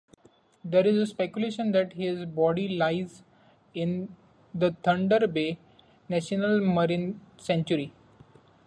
There is speculation that his body lies in the Thunder Bay National Marine Sanctuary.